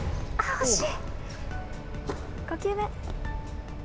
惜しい。